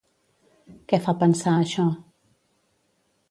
Què fa pensar això?